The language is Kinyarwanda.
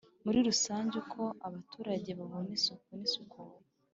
muri rusange Uko abaturage babona isuku n isukura.